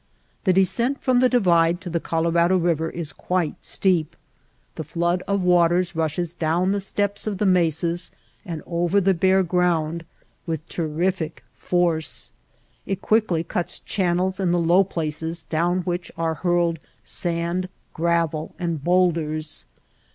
The descent from the Divide to the Colorado River is quite steep. The flood of waters rushes down the steps of the mesas and over the bare ground with terrific force. It quickly cuts channels in the low places down which are hurled sand, gravel, and bowlders.